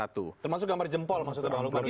termasuk gambar jempol maksudnya bang lukman